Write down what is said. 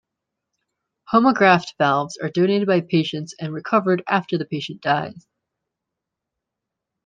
Homograft valves are donated by patients and recovered after the patient dies.